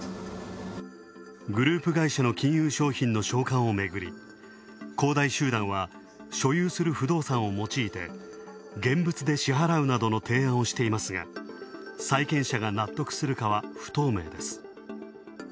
グループ会社の金融商品の償還をめぐり、恒大集団は所有する不動産を用いて現物で支払うなどの提案をしていますが、債権者がなっとくするかは不透明です。